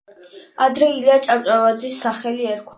ადრე ილია ჭავჭავაძის სახელი ერქვა.